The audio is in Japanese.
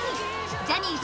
ジャニーズ